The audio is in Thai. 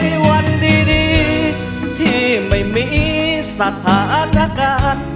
มีวันดีที่ไม่มีสถานการณ์